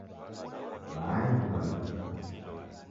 W'aaghi w'avika